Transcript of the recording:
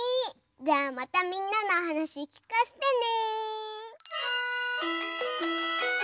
じゃあまたみんなのはなしきかせてね！